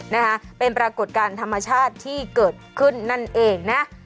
นะคะเป็นปรากฏการณ์ธรรมชาติที่เกิดขึ้นนั่นเองนะ